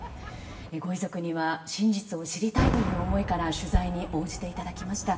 ご遺族には真実を知りたいという思いから取材に応じていただきました。